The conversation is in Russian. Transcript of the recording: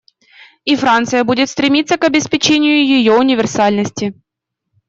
И Франция будет стремиться к обеспечению ее универсальности.